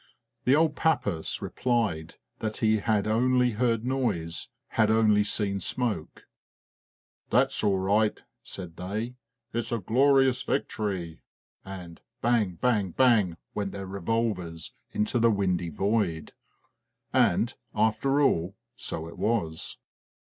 The old Papas replied that he had only heard noise; had only seen smoke. " That 's all right !" said they, " it 's a glorious vic tory !" and bang! bang! bang! went their revolvers into the windy void. And, after all, so it was.